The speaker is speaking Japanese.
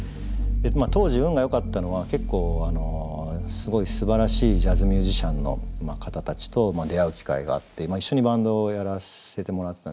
当時運がよかったのは結構すごいすばらしいジャズミュージシャンの方たちと出会う機会があって一緒にバンドをやらせてもらってたんですね。